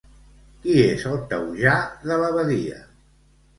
Qui és el taujà de l'abadia?